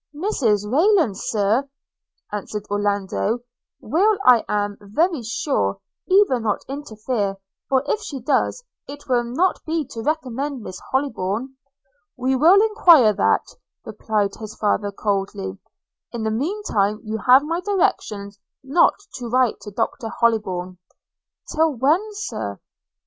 'Mrs Rayland, Sir,' answered Orlando, 'will, I am very sure, either not interfere, or, if she does, it will not be to recommend Miss Hollybourn.' 'We will enquire that,' replied his father coldly; 'in the mean time you have my directions not to write to Dr Hollybourn.' 'Till when, Sir?'